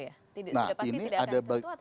sudah pasti tidak akan tersentuh atau bagaimana